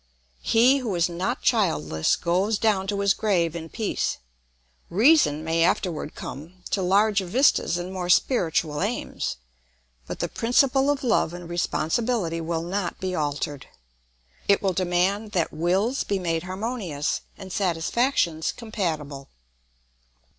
He who is not childless goes down to his grave in peace. Reason may afterward come to larger vistas and more spiritual aims, but the principle of love and responsibility will not be altered. It will demand that wills be made harmonious and satisfactions compatible.